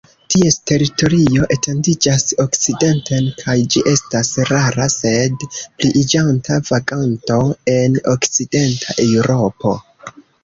Ties teritorio etendiĝas okcidenten, kaj ĝi estas rara sed pliiĝanta vaganto en okcidenta Eŭropo.